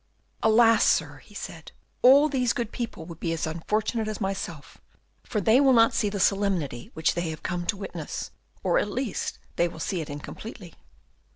"Alas! sir," he said, "all these good people will be as unfortunate as myself, for they will not see the solemnity which they have come to witness, or at least they will see it incompletely."